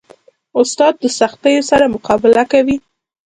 استاد د سختیو سره مقابله کوي.